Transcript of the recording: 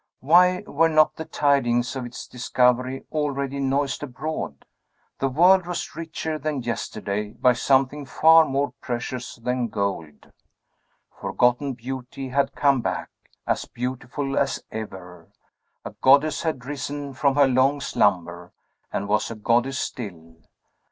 Why were not the tidings of its discovery already noised abroad? The world was richer than yesterday, by something far more precious than gold. Forgotten beauty had come back, as beautiful as ever; a goddess had risen from her long slumber, and was a goddess still.